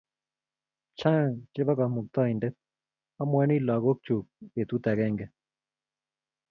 Chang chebo Kamuktaindet, amwoini lakok chuk betut agenge